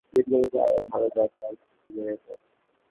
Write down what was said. পুরস্কার পাওয়ায় সামনের দিনগুলোতে আরও ভালো গান গাওয়ার দায়িত্ব বেড়ে গেল।